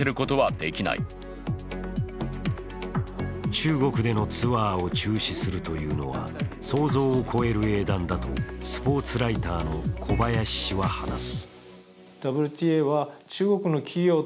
中国でのツアーを中止するというのは想像を超える英断だとスポーツライターの小林氏は話す。